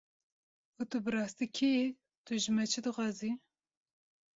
Û tu bi rastî kî yî, tu ji me çi dixwazî?